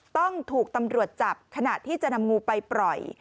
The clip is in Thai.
ต้องถูกตำรวจจับขณะที่จะนำงูไปปล่อย